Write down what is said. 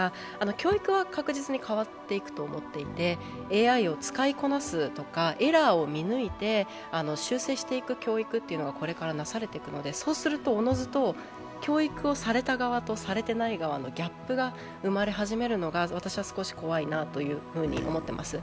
教育は確実に変わっていくと思っていてＡＩを使いこなすとか、エラーを見抜いて修正していく教育というのがこれからなされていくのでそうすると、おのずと教育をされた側と、されていない側のギャップが生まれ始めるのが私は少し怖いなと思っています。